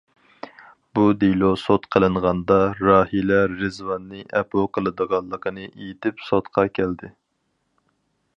بۇ دېلو سوت قىلىنغاندا راھىلە رىزۋاننى ئەپۇ قىلىدىغانلىقىنى ئېيتىپ سوتقا كەلدى.